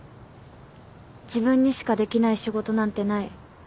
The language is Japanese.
「自分にしかできない仕事なんてない」